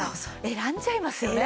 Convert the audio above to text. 選んじゃいますよね。